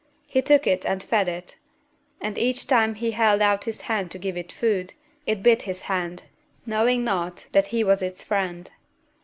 He took it and fed it; and each time he held out his hand to give it food, it bit his hand, knowing not that he was its friend.